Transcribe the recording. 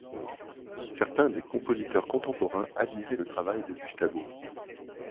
Certains des compositeurs contemporains admiraient le travail de Bustabo.